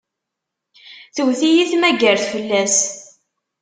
Tewwet-iyi tmaggart fell-as.